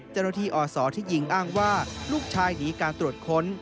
เจ้าหน้าที่อ่อสอที่ยิงอ้างว่าลูกชายหนีการตรวจค้น